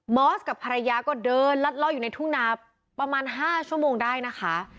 อสกับภรรยาก็เดินลัดล่ออยู่ในทุ่งนาประมาณ๕ชั่วโมงได้นะคะ